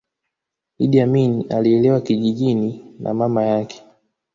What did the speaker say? iddi amin alilelewa kijijini na mama yake